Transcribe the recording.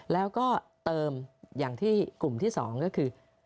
แล้วก็เติมอย่างที่กลุ่มที่๒ก็คือ